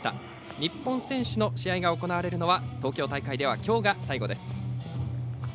日本選手の試合が行われるのは東京大会では、きょうが最後です。